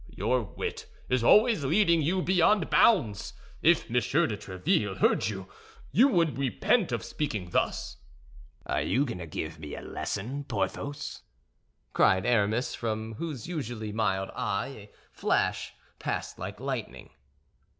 "Your wit is always leading you beyond bounds; if Monsieur de Tréville heard you, you would repent of speaking thus." "Are you going to give me a lesson, Porthos?" cried Aramis, from whose usually mild eye a flash passed like lightning.